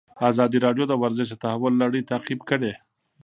ازادي راډیو د ورزش د تحول لړۍ تعقیب کړې.